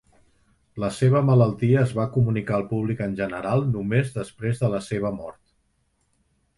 La seva malaltia es va comunicar al públic en general només després de la seva mort.